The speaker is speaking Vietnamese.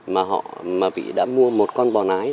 mà họ đã mua một con bò nái